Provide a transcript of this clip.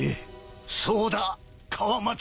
そうだ河松！